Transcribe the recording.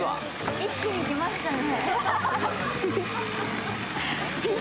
一気にきましたね。